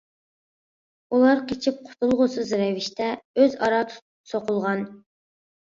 ئۇلار قېچىپ قۇتۇلغۇسىز رەۋىشتە ئۆز-ئارا سوقۇلغان.